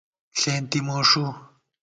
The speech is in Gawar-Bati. ݪېنتی موݭُو